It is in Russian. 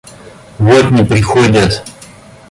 Вот не приходят.